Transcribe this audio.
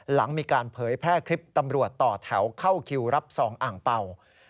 หลังมีการเผยแพร่คลิปตำรวจต่อแถวเข้าคิวรับซองอ่างเป่า